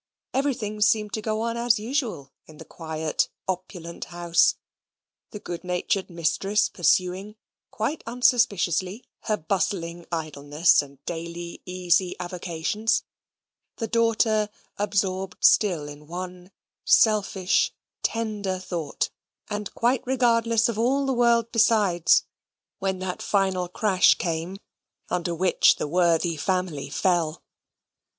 Everything seemed to go on as usual in the quiet, opulent house; the good natured mistress pursuing, quite unsuspiciously, her bustling idleness, and daily easy avocations; the daughter absorbed still in one selfish, tender thought, and quite regardless of all the world besides, when that final crash came, under which the worthy family fell.